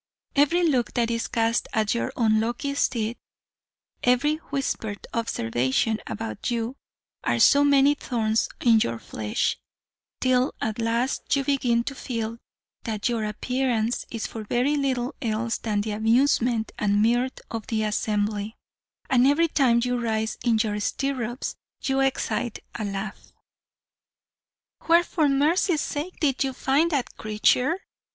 Every look that is cast at your unlucky steed every whispered observation about you are so many thorns in your flesh, till at last you begin to feel that your appearance is for very little else than the amusement and mirth of the assembly; and every time you rise in your stirrups you excite a laugh. "'Where, for mercy's sake, did you find that creature?'